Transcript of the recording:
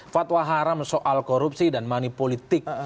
fatwa haram soal korupsi dan manipolitik